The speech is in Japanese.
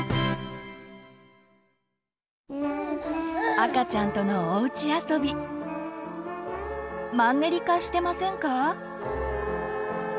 赤ちゃんとのおうちあそびマンネリ化してませんか？